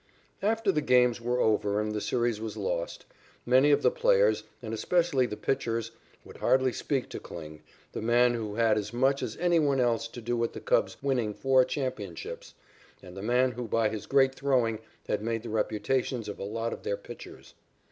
After the games were over and the series was lost, many of the players, and especially the pitchers, would hardly speak to Kling, the man who had as much as any one else to do with the Cubs winning four championships, and the man who by his great throwing had made the reputations of a lot of their pitchers.